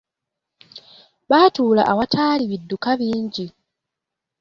Baatula awataali bidduka bingi.